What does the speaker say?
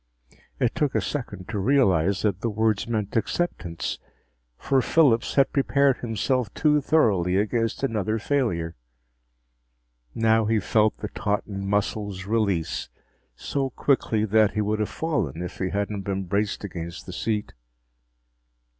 It took a second to realize that the words meant acceptance, for Phillips had prepared himself too thoroughly against another failure. Now he felt the tautened muscles release, so quickly that he would have fallen if he hadn't been braced against the seat.